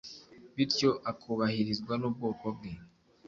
Bityo akubahirizwa n'ubwoko bwe;